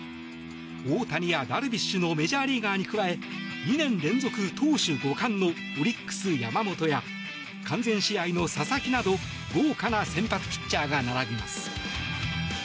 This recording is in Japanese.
大谷やダルビッシュのメジャーリーガーに加え２年連続投手５冠のオリックス、山本や完全試合の佐々木など豪華な先発ピッチャーが並びます。